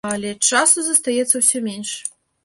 Але часу застаецца ўсё менш.